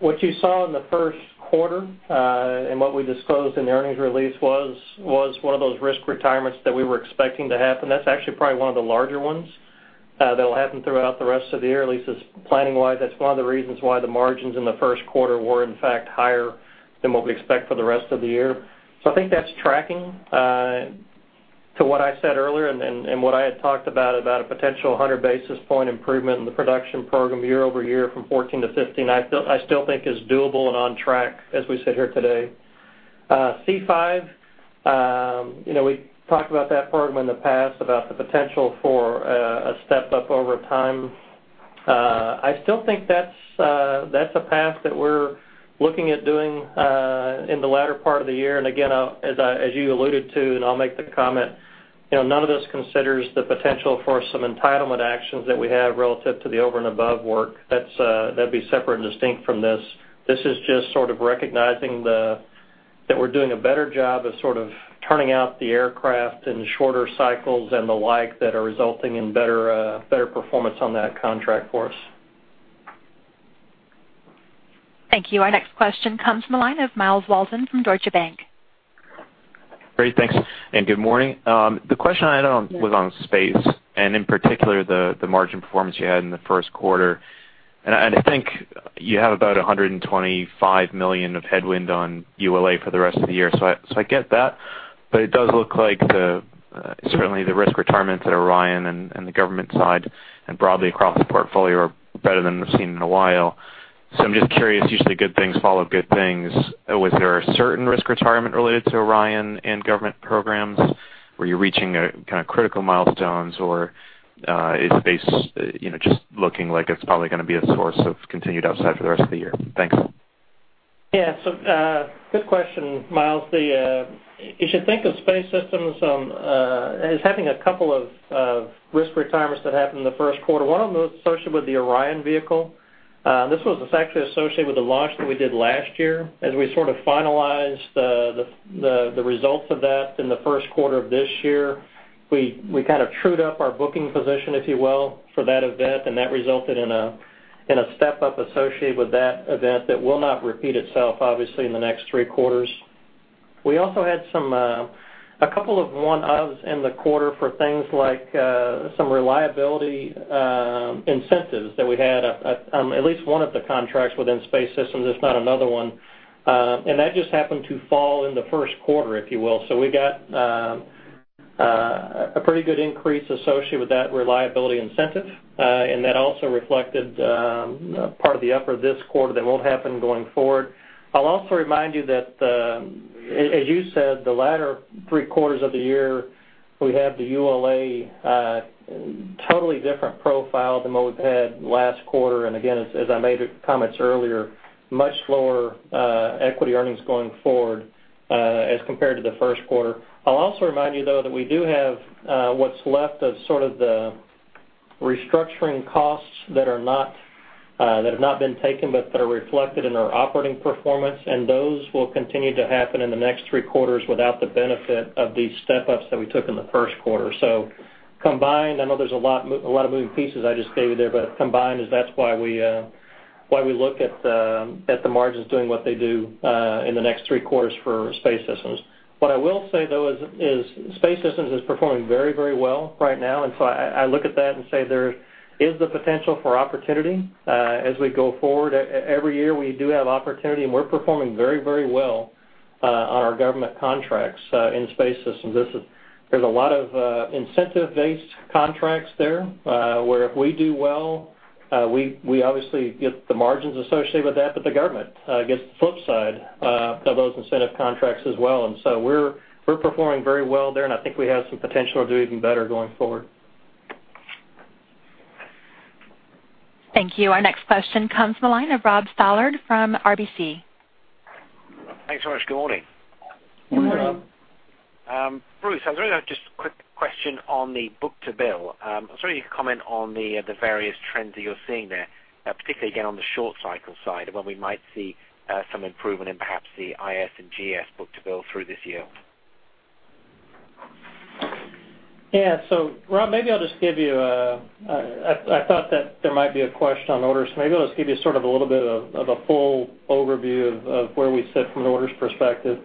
What you saw in the first quarter, and what we disclosed in the earnings release was one of those risk retirements that we were expecting to happen. That's actually probably one of the larger ones that'll happen throughout the rest of the year. At least planning wise, that's one of the reasons why the margins in the first quarter were, in fact, higher than what we expect for the rest of the year. I think that's tracking to what I said earlier and what I had talked about a potential 100 basis point improvement in the production program year-over-year from 2014 to 2015, I still think is doable and on track as we sit here today. C-5, we've talked about that program in the past about the potential for a step-up over time. I still think that's a path that we're looking at doing in the latter part of the year. Again, as you alluded to, and I'll make the comment, none of this considers the potential for some entitlement actions that we have relative to the over and above work. That'd be separate and distinct from this. This is just sort of recognizing that we're doing a better job of sort of turning out the aircraft in shorter cycles and the like that are resulting in better performance on that contract for us. Thank you. Our next question comes from the line of Myles Walton from Deutsche Bank. Great. Thanks, and good morning. The question I had was on space, in particular, the margin performance you had in the first quarter. I think you have about $125 million of headwind on ULA for the rest of the year, so I get that, but it does look like certainly the risk retirements at Orion and the government side and broadly across the portfolio are better than we've seen in a while. I'm just curious, usually good things follow good things. Was there a certain risk retirement related to Orion and government programs? Were you reaching kind of critical milestones, or is space just looking like it's probably going to be a source of continued upside for the rest of the year? Thanks. Yeah. Good question, Myles. You should think of space systems as having a couple of risk retirements that happened in the first quarter. One of them was associated with the Orion vehicle. This was actually associated with the launch that we did last year. As we sort of finalized the results of that in the first quarter of this year, we kind of trued up our booking position, if you will, for that event, that resulted in a step up associated with that event that will not repeat itself, obviously, in the next three quarters. We also had a couple of one-offs in the quarter for things like some reliability incentives that we had on at least one of the contracts within space systems, if not another one. That just happened to fall in the first quarter, if you will. We got a pretty good increase associated with that reliability incentive, that also reflected part of the uptick this quarter that won't happen going forward. I'll also remind you that, as you said, the latter three quarters of the year, we have the ULA, totally different profile than what we've had last quarter. Again, as I made comments earlier, much lower equity earnings going forward, as compared to the first quarter. I'll also remind you, though, that we do have what's left of sort of the restructuring costs that have not been taken, but that are reflected in our operating performance, those will continue to happen in the next three quarters without the benefit of these step ups that we took in the first quarter. Combined, I know there's a lot of moving pieces I just gave you there, but combined, that's why we look at the margins doing what they do in the next three quarters for space systems. What I will say, though, is space systems is performing very well right now. I look at that and say there is the potential for opportunity as we go forward. Every year we do have opportunity, we're performing very well on our government contracts in space systems. There's a lot of incentive-based contracts there, where if we do well, we obviously get the margins associated with that. The government gets the flip side of those incentive contracts as well. We're performing very well there, I think we have some potential to do even better going forward. Thank you. Our next question comes from the line of Robert Stallard from RBC. Thanks so much. Good morning. Good morning. Bruce, I was wondering, just a quick question on the book-to-bill. I was wondering if you could comment on the various trends that you're seeing there, particularly again on the short cycle side, and when we might see some improvement in perhaps the IS&GS book-to-bill through this year. Rob, I thought that there might be a question on orders. Maybe I'll just give you a little bit of a full overview of where we sit from an orders perspective.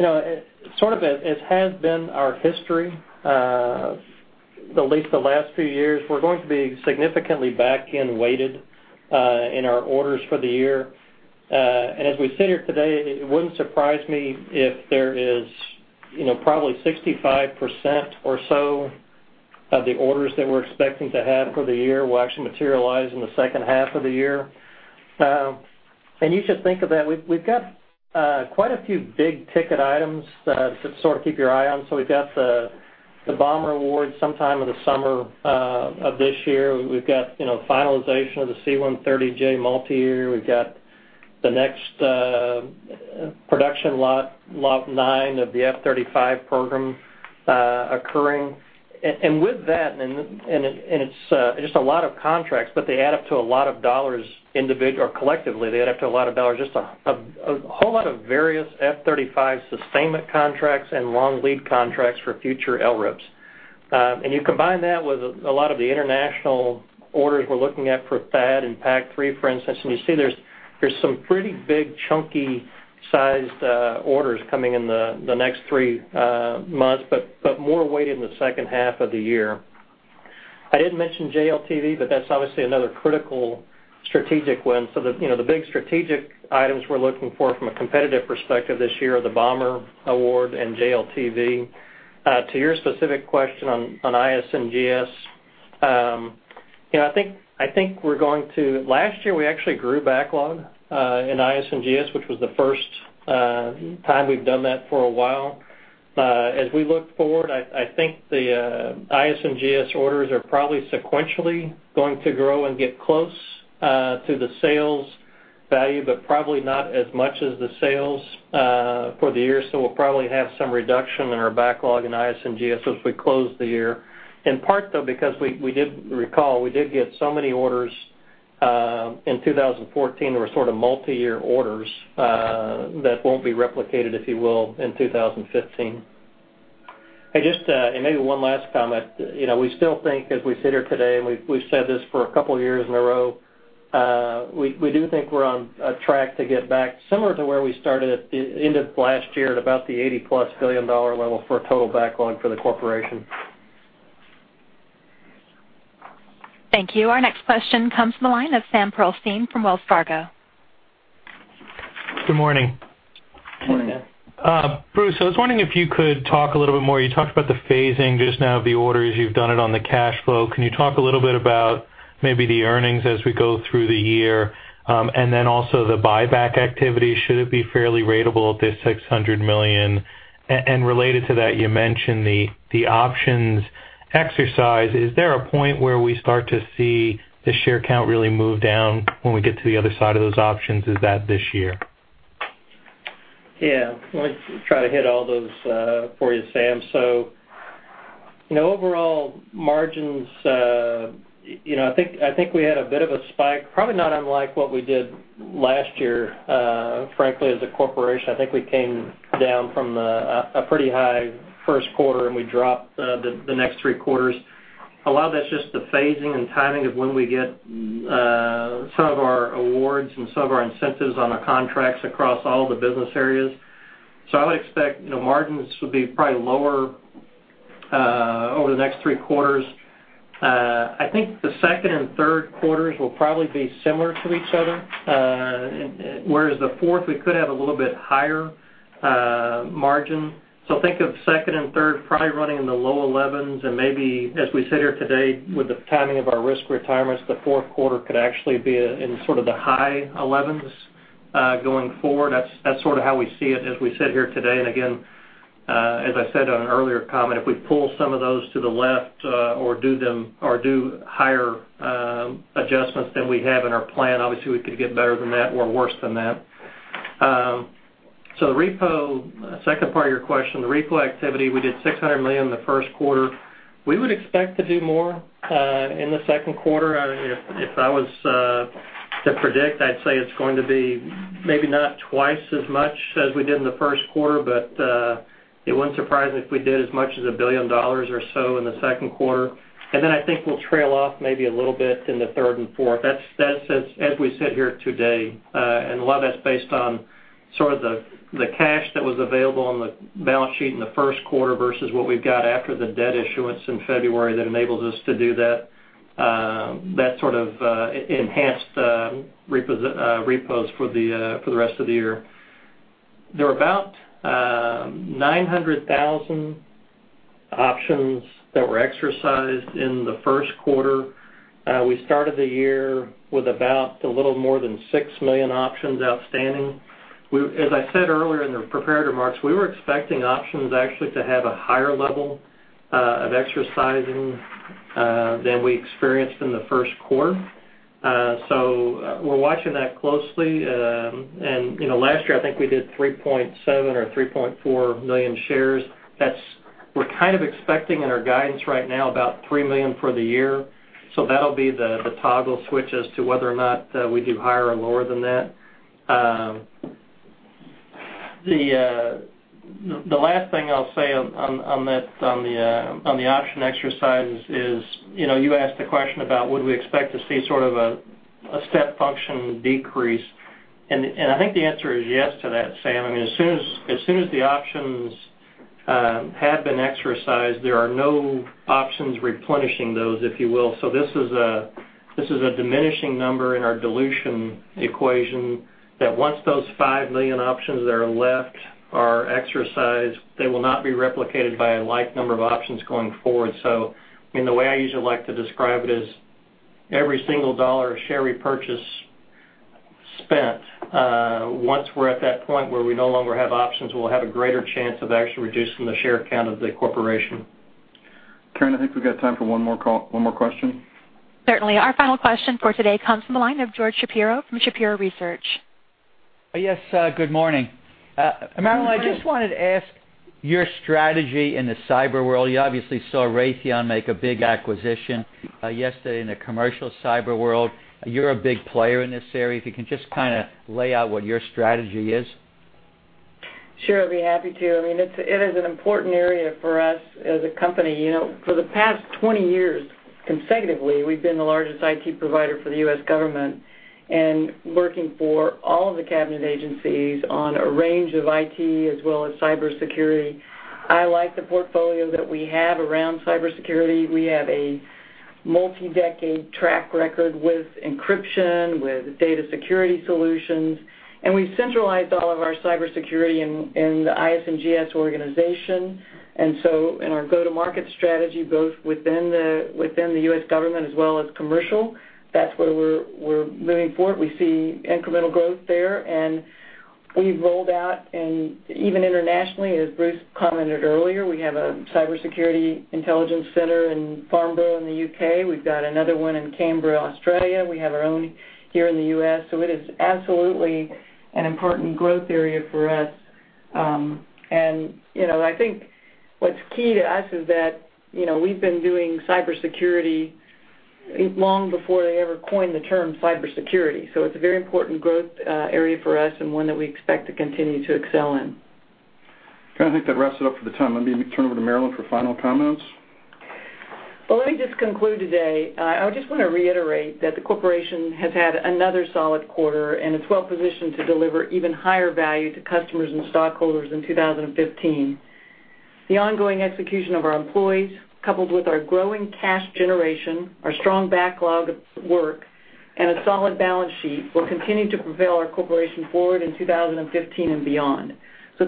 As has been our history, at least the last few years, we're going to be significantly back end weighted in our orders for the year. As we sit here today, it wouldn't surprise me if there is probably 65% or so of the orders that we're expecting to have for the year will actually materialize in the second half of the year. You should think of that. We've got quite a few big ticket items to keep your eye on. We've got the bomber award sometime in the summer of this year. We've got finalization of the C-130J multiyear. We've got the next production lot 9 of the F-35 program occurring. It's just a lot of contracts, but they add up to a lot of dollars. Collectively, they add up to a lot of dollars. Just a whole lot of various F-35 sustainment contracts and long lead contracts for future LRIPs. You combine that with a lot of the international orders we're looking at for THAAD and PAC-3, for instance, you see there's some pretty big chunky sized orders coming in the next three months, but more weight in the second half of the year. I didn't mention JLTV, but that's obviously another critical strategic win. The big strategic items we're looking for from a competitive perspective this year are the bomber award and JLTV. To your specific question on IS&GS, last year we actually grew backlog in IS&GS, which was the first time we've done that for a while. As we look forward, I think the IS&GS orders are probably sequentially going to grow and get close to the sales value, but probably not as much as the sales for the year. We'll probably have some reduction in our backlog in IS&GS as we close the year. In part, though, because recall, we did get so many orders in 2014, there were multi-year orders that won't be replicated, if you will, in 2015. Maybe one last comment. We still think as we sit here today, we've said this for a couple of years in a row, we do think we're on track to get back similar to where we started at the end of last year, at about the $80-plus billion level for a total backlog for the corporation. Thank you. Our next question comes from the line of Sam Pearlstein from Wells Fargo. Good morning. Morning. Bruce, I was wondering if you could talk a little bit more. You talked about the phasing just now of the orders. You've done it on the cash flow. Can you talk a little bit about maybe the earnings as we go through the year? Also the buyback activity, should it be fairly ratable at this $600 million? Related to that, you mentioned the options exercise. Is there a point where we start to see the share count really move down when we get to the other side of those options? Is that this year? Yeah. Let me try to hit all those for you, Sam. Overall margins, I think we had a bit of a spike, probably not unlike what we did last year, frankly, as a corporation. I think we came down from a pretty high first quarter, we dropped the next three quarters. A lot of that's just the phasing and timing of when we get some of our awards and some of our incentives on our contracts across all the business areas. I would expect margins to be probably lower over the next three quarters. I think the second and third quarters will probably be similar to each other, whereas the fourth, we could have a little bit higher margin. Think of second and third probably running in the low 11s and maybe as we sit here today with the timing of our risk retirements, the fourth quarter could actually be in sort of the high 11s going forward. That's sort of how we see it as we sit here today. Again, as I said on an earlier comment, if we pull some of those to the left or do higher adjustments than we have in our plan, obviously we could get better than that or worse than that. The second part of your question, the repo activity, we did $600 million in the first quarter. We would expect to do more in the second quarter. If I was to predict, I'd say it's going to be maybe not twice as much as we did in the first quarter, but it wouldn't surprise me if we did as much as $1 billion or so in the second quarter. Then I think we'll trail off maybe a little bit in the third and fourth. That's as we sit here today. A lot of that's based on sort of the cash that was available on the balance sheet in the first quarter versus what we've got after the debt issuance in February that enables us to do that sort of enhanced repos for the rest of the year. There were about 900,000 options that were exercised in the first quarter. We started the year with about a little more than 6 million options outstanding. As I said earlier in the prepared remarks, we were expecting options actually to have a higher level of exercising than we experienced in the first quarter. We're watching that closely. Last year, I think we did 3.7 or 3.4 million shares. We're kind of expecting in our guidance right now about 3 million for the year. That'll be the toggle switch as to whether or not we do higher or lower than that. The last thing I'll say on the option exercises is, you asked the question about would we expect to see sort of a step function decrease, and I think the answer is yes to that, Sam. I mean, as soon as the options have been exercised, there are no options replenishing those, if you will. This is a diminishing number in our dilution equation that once those 5 million options that are left are exercised, they will not be replicated by a like number of options going forward. I mean, the way I usually like to describe it is every single dollar of share repurchase spent, once we're at that point where we no longer have options, we'll have a greater chance of actually reducing the share count of the corporation. Karen, I think we've got time for one more question. Certainly. Our final question for today comes from the line of George Shapiro from Shapiro Research. Yes, good morning. Marillyn, I just wanted to ask your strategy in the cyber world. You obviously saw Raytheon make a big acquisition yesterday in the commercial cyber world. You're a big player in this area. If you can just kind of lay out what your strategy is. Sure, I'd be happy to. I mean, it is an important area for us as a company. For the past 20 years, consecutively, we've been the largest IT provider for the U.S. government and working for all of the cabinet agencies on a range of IT as well as cybersecurity. I like the portfolio that we have around cybersecurity. We have a multi-decade track record with encryption, with data security solutions, and we've centralized all of our cybersecurity in the IS&GS organization. In our go-to-market strategy, both within the U.S. government as well as commercial, that's where we're moving forward. We see incremental growth there, and we've rolled out even internationally, as Bruce commented earlier, we have a cybersecurity intelligence center in Farnborough in the U.K. We've got another one in Canberra, Australia. We have our own here in the U.S. It is absolutely an important growth area for us. I think what's key to us is that we've been doing cybersecurity long before they ever coined the term cybersecurity. It's a very important growth area for us and one that we expect to continue to excel in. I think that wraps it up for the time. Let me turn it over to Marillyn for final comments. Let me just conclude today. I just want to reiterate that the corporation has had another solid quarter and is well positioned to deliver even higher value to customers and stockholders in 2015. The ongoing execution of our employees, coupled with our growing cash generation, our strong backlog of work, and a solid balance sheet, will continue to propel our corporation forward in 2015 and beyond.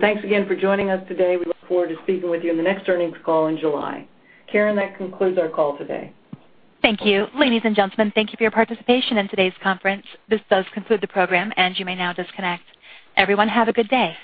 Thanks again for joining us today. We look forward to speaking with you in the next earnings call in July. Karen, that concludes our call today. Thank you. Ladies and gentlemen, thank you for your participation in today's conference. This does conclude the program, and you may now disconnect. Everyone, have a good day.